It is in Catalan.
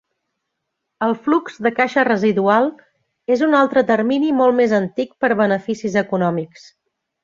El flux de caixa residual és un altre termini molt més antic per beneficis econòmics.